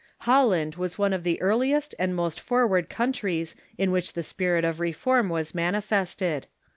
Holland was one of the earliest and most forward countries in which the spirit of reform was manifested.